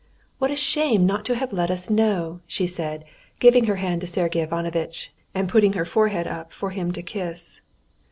"What a shame not to have let us know," she said, giving her hand to Sergey Ivanovitch, and putting her forehead up for him to kiss.